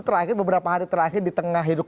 terakhir beberapa hari terakhir di tengah hidup